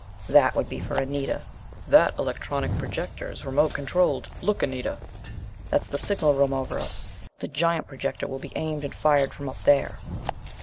That would be for Anita. "That electronic projector is remote controlled. Look, Anita, that's the signal room over us. The giant projector will be aimed and fired from up there."